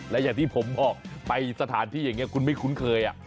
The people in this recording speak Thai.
และอย่างที่ผมออกไปสถานที่อย่างนี้คุณไม่คุ้นเคย